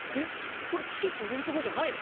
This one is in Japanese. これチケット入れるとこじゃないの？